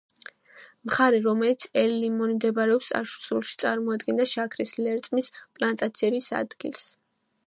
მხარე, რომელშიც ელ-ლიმონი მდებარეობს წარსულში წარმოადგენდა შაქრის ლერწმის პლანტაციების ადგილს.